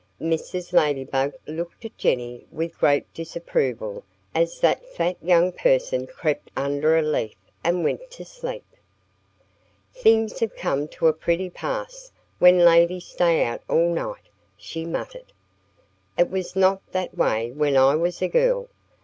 Mrs. Ladybug looked at Jennie with great disapproval as that fat young person crept under a leaf and went to sleep. "Things have come to a pretty pass when ladies stay out all night!" she muttered. "It was not that way when I was a girl.